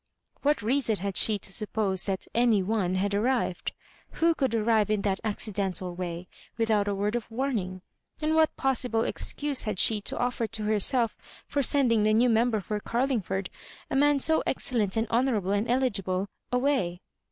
What reason had she to sup pose that "any one" had arrived? Who could arrive in that accidental way, without a word of warning ? And what possible excuse had she to offer to herself for sending the new mem ber for Oarlingford — a man so excellent and honourable and eligible — away